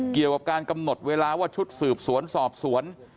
เกี่ยวกับการกำหนดเวลาว่าชุดสืบสวนสอบสวน